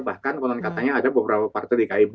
bahkan konon katanya ada beberapa partai di kib